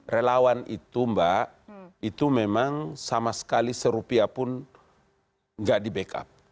relawan itu mbak itu memang sama sekali serupiah pun nggak di backup